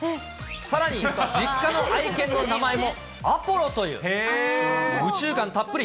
さらに実家の愛犬の名前もアポロという、宇宙感たっぷり。